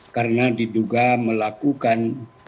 karena diduga melakukan